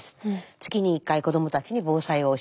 月に１回子どもたちに防災を教えています。